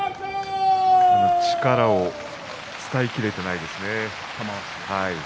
力を伝えきれていないですね。